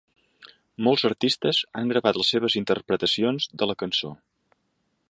Molts artistes han gravat les seves interpretacions de la cançó.